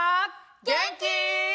げんき？